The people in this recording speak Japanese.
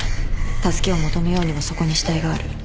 助けを求めようにもそこに死体がある。